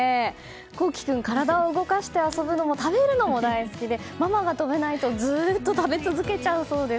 昊生君、体を動かして遊ぶのも大好きで、ママが止めないとずっと食べ続けちゃうそうです。